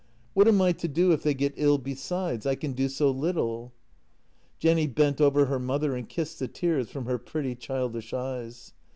What am I to do if they get ill besides? I can do so little." Jenny bent over her mother and kissed the tears from her pretty, childish eyes.